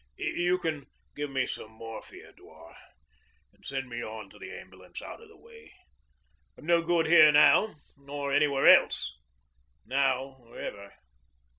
You can give me some morphia, Dewar and send me on to the ambulance out of the way. I'm no good here now or anywhere else, now or ever.